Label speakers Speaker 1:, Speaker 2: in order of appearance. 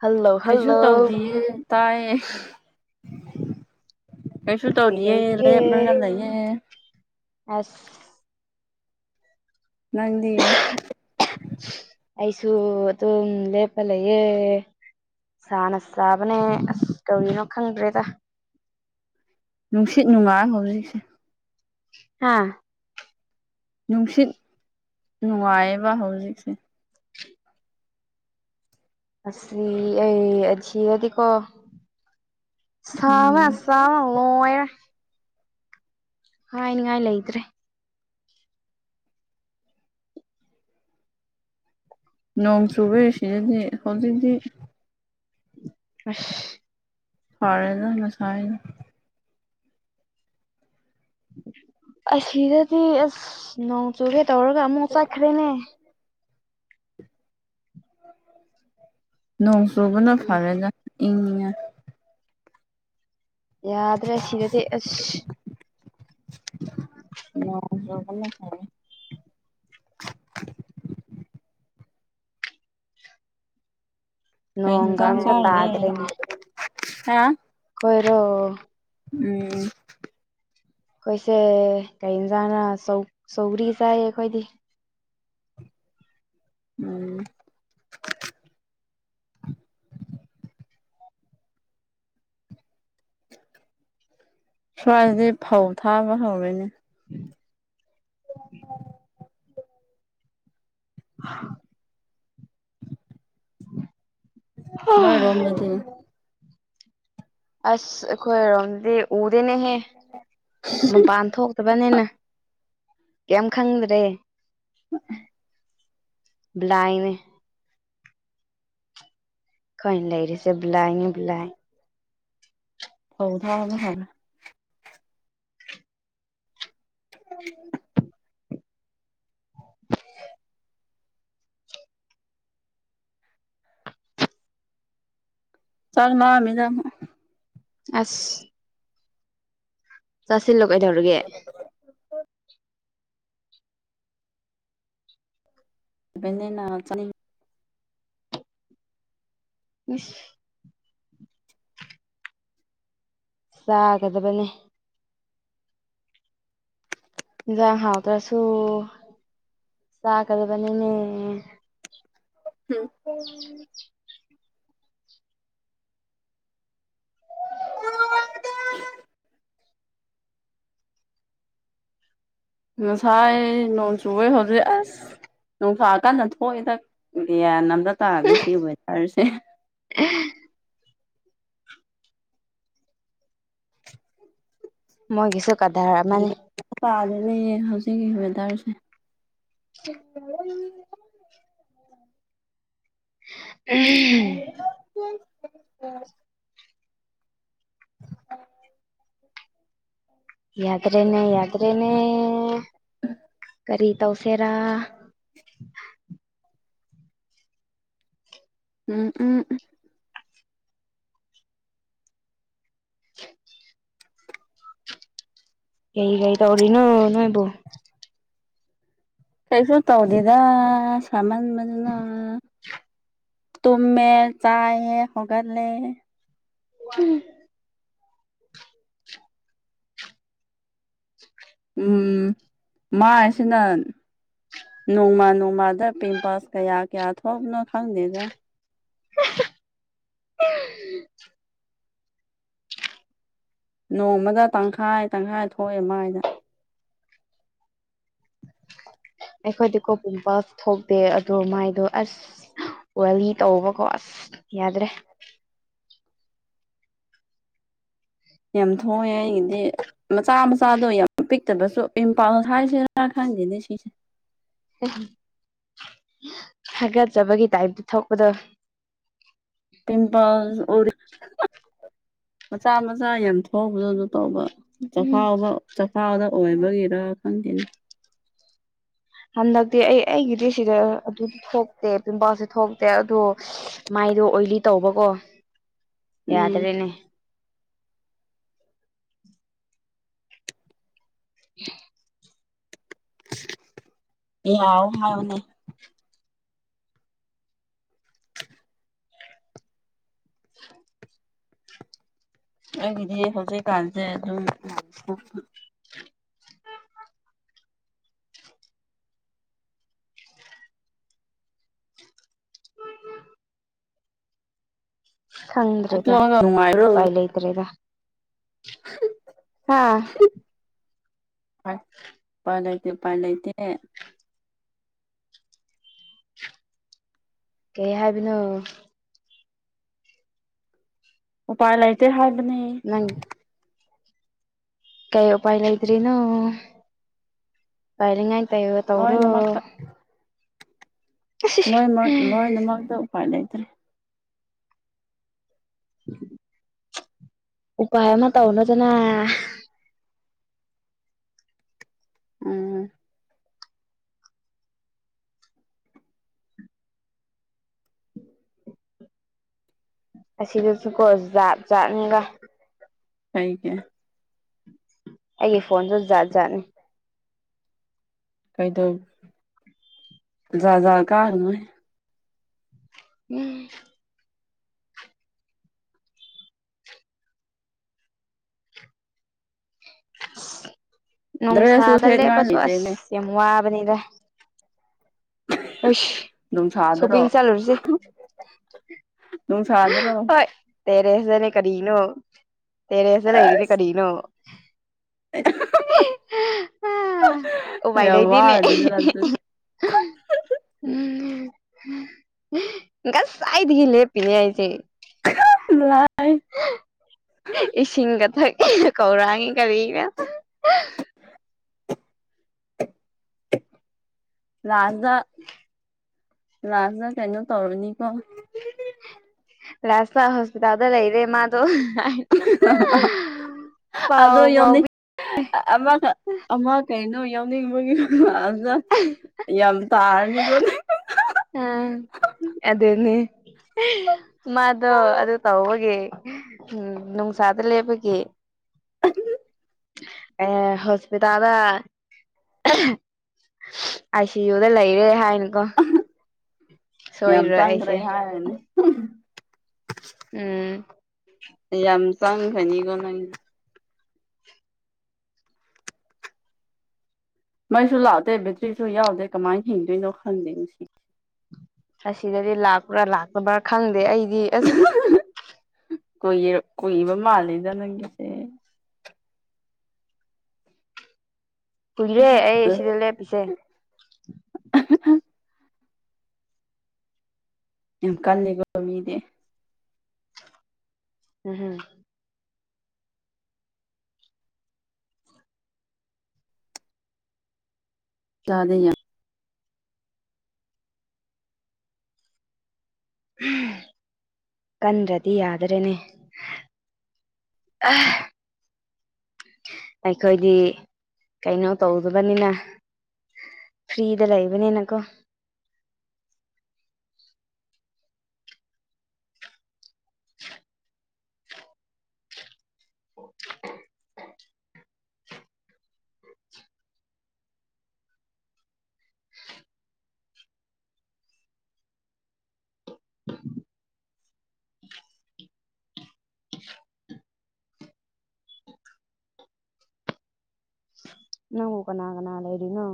Speaker 1: Hello
Speaker 2: ꯀꯩꯁꯨ
Speaker 1: hello
Speaker 2: ꯇꯧꯗꯤꯌꯦ ꯇꯥꯏꯌꯦ ꯀꯥꯏꯁꯨꯨ ꯇꯧꯗꯤꯌꯦ
Speaker 1: ꯀꯩꯗꯧꯔꯤꯒꯦ
Speaker 2: ꯂꯞꯔ ꯉꯝ ꯂꯩꯌꯦ
Speaker 1: ꯑꯁ
Speaker 2: ꯅꯪꯗꯤꯌꯦ
Speaker 1: ꯑꯩꯁꯨ ꯑꯗꯨ ꯂꯦꯄꯂꯌꯦꯦ ꯁꯥꯅ ꯆꯥꯕꯅꯦ ꯑꯁ ꯀꯧꯔꯤꯅꯣ ꯈꯪꯗ꯭ꯔꯦꯗ
Speaker 2: ꯅꯨꯡꯁꯤꯠ ꯅꯨꯡꯉꯥꯏ ꯍꯧꯖꯤꯛꯁꯦ
Speaker 1: ꯍꯥꯥ
Speaker 2: ꯅꯨꯡꯁꯤꯠ ꯅꯨꯡꯉꯥꯏꯕ ꯍꯧꯖꯤꯛꯁꯦ
Speaker 1: ꯑꯁꯤꯁꯤ ꯑꯩꯖꯤꯔꯗꯤꯀꯣ ꯆꯕ
Speaker 2: ꯎꯝ
Speaker 1: ꯆꯕ ꯃꯔ ꯍꯅꯤ ꯉꯥꯏꯂꯗ꯭ꯔꯦ
Speaker 2: ꯅꯣꯡꯣꯡꯁꯨꯨꯕꯦ ꯁꯤꯗꯗꯤ ꯍꯗꯗꯤ
Speaker 1: ꯑ
Speaker 2: ꯐꯔꯦꯅ ꯃꯁꯥꯏꯜ
Speaker 1: ꯑꯁꯤꯔꯗꯤ ꯑꯁ ꯅꯣꯡ ꯆꯧꯈꯦ ꯇꯧꯔꯒ ꯃꯨ ꯆꯥ ꯈꯔꯦꯅꯦ
Speaker 2: ꯅꯣꯡꯁꯨꯕꯅ ꯐꯔꯦꯗ ꯏ
Speaker 1: ꯌꯥꯗ꯭ꯔꯦ ꯁꯤꯗꯗꯤ ꯑꯁ
Speaker 2: ꯑꯣꯅ ꯐꯦ
Speaker 1: [unintelligible] ꯅꯣꯡꯒ
Speaker 2: ꯀ
Speaker 1: ꯑꯝꯇ
Speaker 2: ꯆꯔꯒ
Speaker 1: ꯇꯥꯗ꯭ꯔꯦꯅꯦ
Speaker 2: ꯍꯥ
Speaker 1: ꯑꯣꯏꯣꯏꯔꯣ
Speaker 2: ꯎꯝ
Speaker 1: ꯑꯩꯈꯣꯏꯁꯦ ꯀꯩꯟꯖꯥꯅꯧ ꯆꯧꯒꯔꯤ ꯆꯥꯏꯌꯦ ꯑꯩꯈꯣꯏꯗꯤ
Speaker 2: ꯎꯝ ꯁ꯭ꯋꯥꯏꯗꯤ ꯐꯧ ꯊꯥꯕ ꯍꯧꯔꯦꯅꯦ
Speaker 1: ꯑ ꯎ
Speaker 2: ꯅꯣꯏ ꯔꯣꯝ ꯅ
Speaker 1: ꯑꯁ ꯑꯩꯈꯣꯏꯔꯣꯝꯗꯤ ꯎꯗꯦꯅꯦꯍꯦ ꯃꯄꯥꯟ ꯊꯣꯛꯇꯕꯅꯤꯅ ꯀꯝ ꯈꯪꯗ꯭ꯔꯦ ꯕ꯭ꯂꯥꯏꯅꯦ ꯈꯣꯏ ꯂꯩꯔꯤꯁꯦ ꯕꯂꯏ ꯕꯂꯏ
Speaker 2: ꯍꯥꯎ ꯊꯅ ꯍꯥꯏꯅ ꯎ [unintelligible] ꯆꯥꯛꯂꯝꯃꯤꯗ
Speaker 1: ꯑꯁ ꯆꯥꯁꯤꯜꯂꯣ ꯀꯩꯗꯧꯔꯒꯦ
Speaker 2: ꯕꯅꯤꯅ ꯆꯅꯤꯡ
Speaker 1: ꯏꯁ ꯆꯥꯒꯗꯕꯅꯦ ꯏꯟꯁꯥꯡ ꯍꯥꯎꯇ꯭ꯔꯁꯨ ꯆꯥꯒꯗꯕꯅꯤꯅꯦ
Speaker 2: ꯎꯝ ꯑꯣ [unintelligible] ꯅꯁꯥꯏ ꯅꯣꯡ ꯆꯕꯣꯏ ꯍꯧꯖꯤꯛ ꯑꯁ ꯅꯨꯡꯁꯥ ꯀꯥꯟꯗ ꯊꯣꯛꯑꯏꯗ ꯗꯤꯌꯥꯟ ꯑꯝꯇ ꯇꯗꯤ ꯁꯤ ꯋꯦꯗꯔꯁꯦ
Speaker 1: ꯎ [unintelligible]
Speaker 2: [inaudible]
Speaker 1: ꯃꯣꯏꯒꯤꯁ
Speaker 2: ꯄꯥꯗꯅ ꯍꯧꯖꯤ [unintelligible] ꯁꯤꯒꯤ ꯋ‌ꯦꯗꯔꯁꯦ
Speaker 1: ꯎ [unintelligible]
Speaker 2: ꯎꯝ [unintelligible]
Speaker 1: ꯌꯥꯗ꯭ꯔꯦꯅꯦ ꯌꯥꯗ꯭ꯔꯦꯅꯦ ꯀꯔꯤ ꯇꯧꯁꯦꯔꯥ
Speaker 2: ꯎꯝ ꯎꯝ
Speaker 1: [unintelligible] ꯀꯏ ꯀꯩꯏ ꯇꯧꯔꯤꯅꯣ ꯅꯣꯏꯣꯏꯕꯨ
Speaker 2: ꯀꯩꯁꯨ ꯇꯧꯗꯦꯗ ꯁꯥꯃꯟ ꯕꯅꯤꯅ ꯇꯨꯃꯦ ꯆꯥꯏꯌ‌ꯦ ꯍꯒꯜꯂꯦ
Speaker 1: ꯎꯝ [unintelligible]
Speaker 2: ꯎꯝ ꯃꯥꯏꯁꯤꯅ ꯅꯣꯡꯃ ꯅꯣꯡꯃꯥꯗ ꯄꯤꯝꯄꯜꯁ ꯀꯌꯥ ꯀꯌꯥ ꯊꯣꯛꯅꯣ ꯈꯪꯗꯦꯗ
Speaker 1: ꯑ [unintelligible]
Speaker 2: ꯅꯣꯡꯃꯗ ꯇꯪꯈꯥꯏ ꯇꯪꯈꯥꯏ ꯊꯣꯛꯑꯦ ꯃꯥꯏꯗ
Speaker 1: ꯑꯩꯈꯣꯏꯗꯤ ꯀꯣꯛꯀꯨꯝꯕ ꯊꫭꯛꯇꯦ ꯑꯗꯣ ꯃꯥꯏꯗꯣ ꯑꯁ ꯋꯥꯂꯤ ꯇꯧꯕꯀꯣ ꯑꯁ ꯌꯥꯗ꯭ꯔꯦ
Speaker 2: ꯌꯥꯝ ꯊꯣꯛꯑꯦ ꯑꯩꯒꯤꯗꯤ ꯃꯆꯥ ꯃꯆꯥꯗꯣ ꯌꯥꯝ ꯄꯤꯛꯇꯕꯁꯨ ꯏꯝꯐꯥꯜ ꯊꯁꯤꯅ ꯈ ꯈꯪꯗ‌ꯦꯅꯦꯁꯤꯁ
Speaker 1: ꯎ [unintelligible] ꯍꯒꯠꯆꯕꯒꯤ ꯇꯥꯏꯞꯇ ꯊꯣꯛꯄꯗ
Speaker 2: ꯄꯤꯝꯄꯜꯁ ꯑꯨꯔꯤꯡ ꯃꯆꯥ ꯃꯆꯥ ꯌꯥꯝ ꯊꯣꯛꯎꯕꯗꯣ ꯑꯗꯨꯝ ꯇꯧꯕ
Speaker 1: ꯎꯝ
Speaker 2: ꯆꯈꯥꯎꯕ ꯆꯈꯥꯎꯗ ꯑꯣꯏꯕꯒꯤꯔ ꯈꯪꯗꯦꯅ
Speaker 1: ꯍꯟꯗꯛꯇꯤ ꯑꯩ ꯑꯩꯒꯤꯗꯤ ꯁꯤꯗ ꯑꯗꯨ ꯊꯣꯛꯇꯦ ꯄꯝꯕꯥꯜꯁꯦ ꯊꯣꯛꯇꯦ ꯑꯗꯨꯥꯏ ꯍꯥꯏꯗꯣ ꯑꯣꯏꯂꯤ ꯇꯧꯕꯀꯣ
Speaker 2: ꯎꯝ
Speaker 1: ꯌꯥꯗ꯭ꯔꯦꯅꯦ ꯎ [unintelligible]
Speaker 2: ꯌꯥꯎ ꯍꯥꯏꯕꯅꯦ [unintelligible]
Speaker 1: [unintelligible]
Speaker 2: ꯑꯩꯒꯤꯗꯤ ꯍꯧꯖꯤꯛꯀꯥꯟꯁꯦ ꯑꯗꯨꯝ ꯑꯇꯣꯛꯑꯒ ꯅꯨꯡꯉꯥꯏꯕ꯭ꯔꯣ
Speaker 1: ꯈꯪꯗ꯭ꯔꯦꯗꯚꯥꯏ ꯂꯩꯇ꯭ꯔꯦꯗ ꯍꯥꯥ
Speaker 2: ꯄꯂꯥꯏꯇꯦ ꯄꯔꯥꯏꯇꯦ
Speaker 1: ꯀꯩ ꯍꯥꯏꯕꯤꯅꯣ
Speaker 2: ꯎꯄꯥꯏ ꯂꯩꯇꯦ ꯍꯥꯏꯕꯅꯦ
Speaker 1: ꯅꯪ ꯀꯩ ꯎꯄꯥꯏꯂꯗ꯭ꯔꯤꯅꯣ ꯄꯥꯏ ꯌ ꯇꯧꯔꯣ
Speaker 2: ꯂꯣꯏꯅꯃꯛꯇ ꯂꯣꯏꯃꯛ ꯂꯣꯏꯅꯃꯛꯇ ꯎꯄꯥꯏ ꯂꯩꯇ꯭ꯔꯦ
Speaker 1: ꯎꯝ ꯎꯄꯥꯥꯏ ꯑꯃ ꯇ ꯍꯧꯅꯗꯅ
Speaker 2: ꯎꯝ
Speaker 1: ꯑꯁꯤꯗꯁꯨꯀꯣ ꯖꯥꯠ ꯥꯠꯅꯤꯒ
Speaker 2: ꯀꯩꯒꯦ
Speaker 1: ꯑꯩꯒꯤ ꯐꯣꯟꯁꯨ ꯖꯥꯠ ꯖꯥꯠꯅꯤ
Speaker 2: ꯀꯩꯗꯧ ꯌꯥꯖꯥ ꯀꯥꯔ ꯅ
Speaker 1: ꯎꯝ ꯑ
Speaker 2: ꯗ꯭ꯔꯦꯁꯁꯨ
Speaker 1: ꯅꯨꯡꯁꯥꯗ
Speaker 2: ꯁꯦꯠꯅꯤꯡꯉꯥꯏ
Speaker 1: ꯂꯦꯞꯄꯁꯨ ꯑꯁ
Speaker 2: ꯂꯩꯇꯦꯅꯦ
Speaker 1: ꯌꯥꯝ ꯋꯥꯕꯅꯤꯗ ꯑ
Speaker 2: ꯅꯨꯡꯁꯥꯗꯔꯣ
Speaker 1: ꯁꯣꯄꯤꯡ ꯆꯂꯔꯁꯦ
Speaker 2: ꯅꯨꯡ ꯁꯥꯗ꯭ꯔꯣ
Speaker 1: ꯇꯔꯦꯁꯤꯗꯅꯦ ꯀꯔꯤꯅꯣ ꯇꯔꯗ ꯂꯩꯔꯤꯅꯦ
Speaker 2: ꯑꯁ
Speaker 1: ꯀꯔꯤꯅꯣ
Speaker 2: [inaudible]
Speaker 1: ꯑꯣ ꯋꯥꯥꯏ
Speaker 2: ꯌꯥꯝ
Speaker 1: ꯂꯩꯗꯤꯅꯦ
Speaker 2: ꯋꯥꯔꯅꯤꯗꯅ ꯑꯗꯨ
Speaker 1: ꯎꯝ ꯉꯁꯥꯏꯗꯤꯒ ꯂꯦ ꯄꯅꯤ ꯍꯥꯏꯁꯦ
Speaker 2: ꯂ
Speaker 1: ꯏ ꯁꯤꯒꯥ ꯊ ꯀꯧꯔꯥꯉ ꯀꯔꯤ ꯀ
Speaker 2: ꯂꯥꯥꯁꯗ ꯂꯥꯁꯗ ꯀꯩꯅꯣ ꯇꯧꯔꯅꯤꯀꯣ
Speaker 1: ꯂꯥꯁ ꯍꯣꯁꯄꯤꯇꯥꯜꯗ ꯂꯩꯔꯦ ꯃꯥ ꯑꯗꯨ
Speaker 2: [unintelligible]
Speaker 1: ꯄꯥꯎ
Speaker 2: ꯑꯣ ꯌꯅꯤ
Speaker 1: ꯐꯥꯎꯕꯤ
Speaker 2: ꯑꯃ ꯀꯩꯅꯣ ꯌꯥꯎꯅꯤꯡꯕꯒꯤ ꯌꯥꯝ ꯇꯥꯔꯅꯤꯀꯣꯅꯦ
Speaker 1: ꯑꯥ ꯑꯗꯨꯅꯦ ꯃꯥꯗꯣ ꯑꯗꯨ ꯇꯧꯕꯒꯦ ꯎꯝ ꯅ ꯆꯠꯇ ꯂꯩꯦꯄꯒꯤ
Speaker 2: ꯎ
Speaker 1: ꯑ ꯍꯣꯁꯄꯤꯗꯗ ꯑꯁꯤ ꯌꯨꯗ ꯂꯩꯔꯦ ꯍꯥꯏꯅꯤ
Speaker 2: ꯌꯥꯝ ꯆꯥꯡꯈ꯭ꯔꯦ
Speaker 1: ꯑꯩꯁꯦ
Speaker 2: ꯍꯥꯏꯔꯅꯤ
Speaker 1: ꯎꯝ
Speaker 2: ꯌꯥꯝ ꯆꯥꯡꯈꯅꯤꯒ ꯅꯪ ꯃꯩꯁꯨ ꯂꯥꯛꯗꯦ ꯕꯦꯇ꯭ꯔꯤꯁꯨ ꯌꯥꯎꯗꯦ ꯀꯃꯥꯏꯅ ꯍꯤꯡꯗꯣꯏꯅꯣ ꯈꯪꯗꯦ ꯉꯁꯤ
Speaker 1: ꯑꯁꯤꯗꯗꯤ ꯂꯥꯛꯄ꯭ꯔꯥ ꯂꯥꯛꯇꯕ꯭ꯔꯥ ꯈꯪꯗꯦ ꯑꯩꯗꯤ ꯑꯁ
Speaker 2: ꯀꯨꯏ ꯀꯨꯏꯕ ꯃꯥꯜꯂꯤꯦꯗ ꯅꯪꯒꯤꯁꯦ
Speaker 1: ꯀꯍꯤꯔꯦ ꯑꯩ ꯁꯤꯗꯦ ꯄꯤꯁꯦ
Speaker 2: ꯌꯥꯝ ꯀꯜꯂꯤꯒꯃꯦ
Speaker 1: ꯎꯝꯝ
Speaker 2: ꯆꯥꯗꯦ ꯌꯥꯝ
Speaker 1: ꯀꯟ꯭ꯔꯗꯤ ꯌꯥ꯭ꯔꯦꯅꯦ ꯑ ꯑꯩꯈꯣꯏꯗꯤ ꯀꯩꯅꯣ ꯇꯧꯗꯕꯅꯤꯅ ꯐ꯭ꯔꯔꯤꯗ ꯂ ꯏꯕꯅꯦꯅꯀꯣ ꯅꯪꯕꯨ ꯀꯅꯥ ꯀꯅꯥ ꯂꯩꯔꯤꯅꯣ?